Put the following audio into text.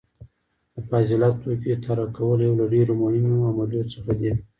د فاضله توکي طرحه کول یو له ډیرو مهمو عملیو څخه دي.